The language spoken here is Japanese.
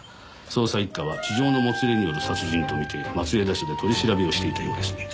捜査一課は痴情のもつれによる殺人と見て松枝署で取り調べをしていたようですね。